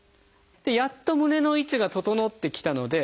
やっと胸の位置が整ってきたので。